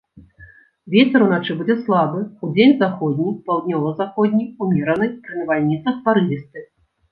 Вецер уначы будзе слабы, удзень заходні, паўднёва-заходні, умераны, пры навальніцах парывісты.